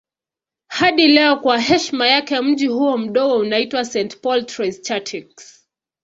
Hadi leo kwa heshima yake mji huo mdogo unaitwa St. Paul Trois-Chateaux.